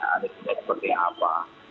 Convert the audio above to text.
alihnya seperti apa